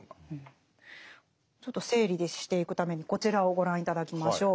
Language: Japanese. ちょっと整理していくためにこちらをご覧頂きましょう。